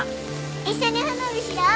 一緒に花火しよう！